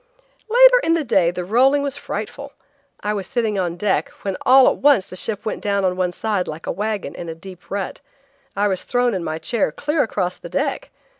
Later in the day the rolling was frightful. I was sitting on deck when all at once the ship went down at one side like a wagon in a deep rut. I was thrown in my chair clear across the deck.